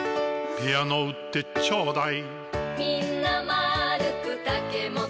ピアノ売ってちょうだい。